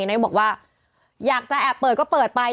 นายกบอกว่าอยากจะแอบเปิดก็เปิดไป